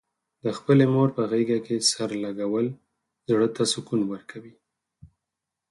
د خپلې مور په غېږه کې سر لږول، زړه ته سکون ورکوي.